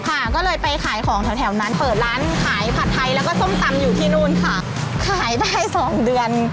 ค่ะก็เลยไปขายของแถวแถวนั้นเปิดร้านขายผัดไทยแล้วก็ส้มตำอยู่ที่นู่นค่ะขายได้สองเดือน